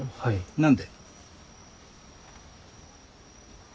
何で？